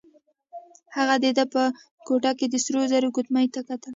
هغه د ده په ګوته کې د سرو زرو ګوتمۍ ته کتل.